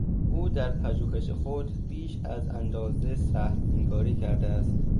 او در پژوهش خود بیش از اندازه سهلانگاری کرده است.